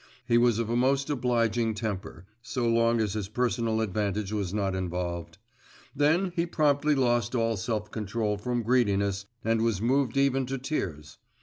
He was of a most obliging temper, so long as his personal advantage was not involved. Then he promptly lost all self control from greediness, and was moved even to tears.